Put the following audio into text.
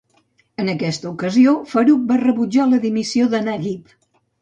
En aquesta ocasió, Farouk va rebutjar la dimissió de Naguib.